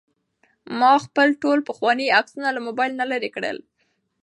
ما خپل ټول پخواني عکسونه له موبایل نه لرې کړل.